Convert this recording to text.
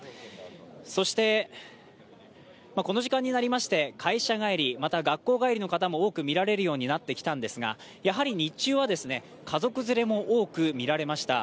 そして、この時間になりまして会社帰り、また学校帰りの方も多く見られるようになってきたんですが、やはり日中は家族連れも多く見られました。